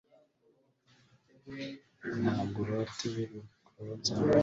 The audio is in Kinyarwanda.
ntabwo urota ibirwa bya nkombo